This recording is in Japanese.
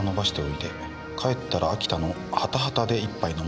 「帰ったら秋田のハタハタで一杯飲もう」